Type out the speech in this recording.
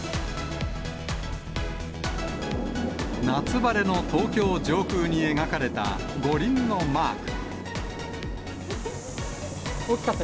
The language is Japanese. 夏晴れの東京上空に描かれた五輪大きかった？